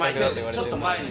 ちょっと前に。